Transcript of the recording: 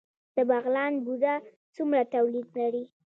د بغلان بوره څومره تولید لري؟